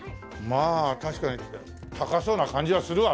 まあ確かに高そうな感じがするわな。